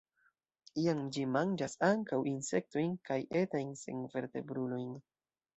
Iam ĝi manĝas ankaŭ insektojn kaj etajn senvertebrulojn.